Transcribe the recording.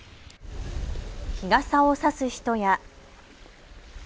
日傘を差す人や。